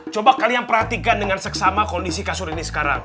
coba kalian perhatikan dengan seksama kondisi kasur ini sekarang